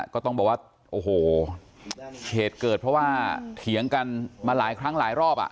ก็ต้องบอกว่าโอ้โหเหตุเกิดเพราะว่าเถียงกันมาหลายครั้งหลายรอบอ่ะ